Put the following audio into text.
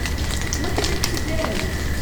Look at it today.